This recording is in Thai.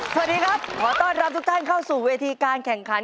สวัสดีครับขอต้อนรับทุกท่านเข้าสู่เวทีการแข่งขัน